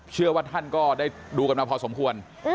เชื่อว่าท่านก็ได้ดูกันมาพอสมควร